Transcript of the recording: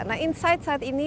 nah insight saat ini